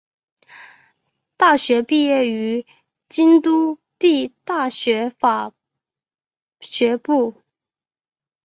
大学毕业于京都帝大法学部。